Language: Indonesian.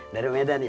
dari medan ya